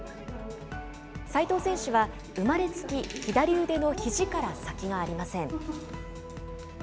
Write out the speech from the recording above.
齋藤選手は生まれつき、左腕のひじから先がありません。